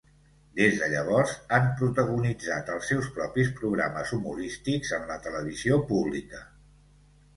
Des de llavors han protagonitzat els seus propis programes humorístics en la televisió pública.